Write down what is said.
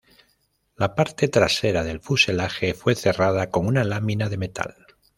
La parte trasera del fuselaje fue cerrada con una lámina de metal.